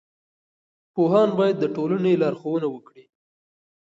پوهان باید د ټولنې لارښوونه وکړي.